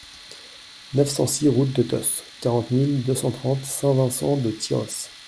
neuf cent six route de Tosse, quarante mille deux cent trente Saint-Vincent-de-Tyrosse